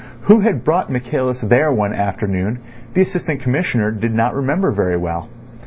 Who had brought Michaelis there one afternoon the Assistant Commissioner did not remember very well.